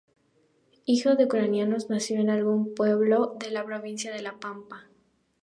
Hijo de ucranianos, nació en algún pueblo de la provincia de La Pampa.